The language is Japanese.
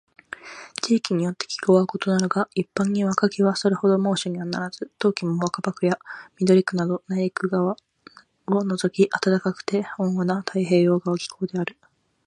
地域によって気候は異なるが、一般には夏季はそれほど猛暑にはならず、冬季も若葉区や緑区など内陸部を除き暖かくて温和な太平洋側気候である。